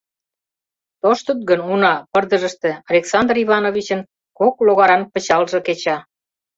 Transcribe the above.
Тоштыт гын, уна, пырдыжыште Александр Ивановичын кок логаран пычалже кеча.